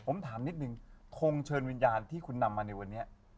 ผมถามนิดนึงทงเชิญวิญญาณที่คุณนำมาในวันนี้